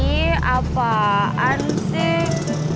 ih apaan sih